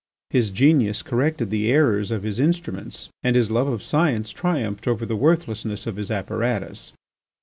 His genius corrected the errors of his instruments and his love of science triumphed over the worthlessness of his apparatus.